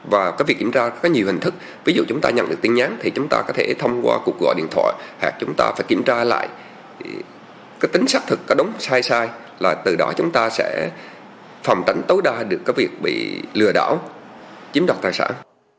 và cái việc kiểm tra có nhiều hình thức ví dụ chúng ta nhận được tin nhắn thì chúng ta có thể thông qua cuộc gọi điện thoại chúng ta phải kiểm tra lại cái tính xác thực có sai sai là từ đó chúng ta sẽ phòng tránh tối đa được cái việc bị lừa đảo chiếm đọc tài sản